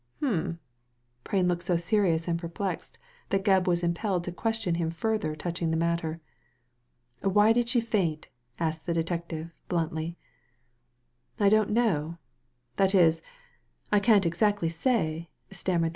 Hum !" Prain looked so serious and perplexed that Gebb was impelled to question him further touching the matter. "Why did she faint? " asked the detective, bluntly. I don't know — that is, I can't exactly say," stammered the other.